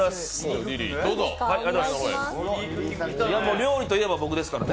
料理といえば僕ですからね。